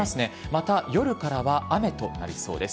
また、夜からは雨となりそうです。